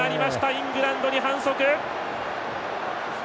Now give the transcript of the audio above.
イングランドに反則！